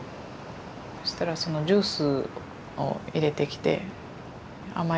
そしたらそのジュースを入れてきて。